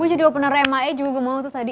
gue jadi opener m i a juga mau tuh tadi